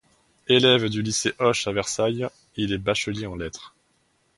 Élève du lycée Hoche à Versailles, il est bachelier en lettres.